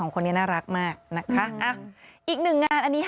คู่นี้น่ารักค่ะครบกันนาน